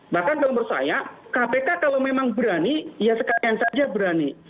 bahkan kalau menurut saya kpk kalau memang berani ya sekalian saja berani